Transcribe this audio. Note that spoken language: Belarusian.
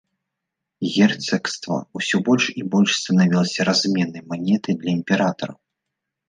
Герцагства ўсё больш і больш станавілася разменнай манетай для імператараў.